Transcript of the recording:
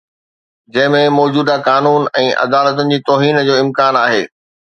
جنهن ۾ موجوده قانون ۽ عدالتن جي توهين جو امڪان آهي